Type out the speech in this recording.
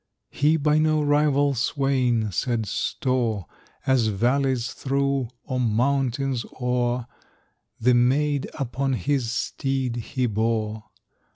He by no rival swain set store, As valleys through, or mountains o'er, The maid upon his steed he bore.